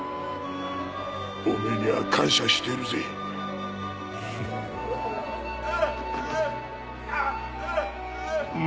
おめえには感謝してるぜうううう